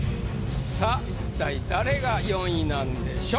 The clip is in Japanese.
さぁ一体誰が４位なんでしょう？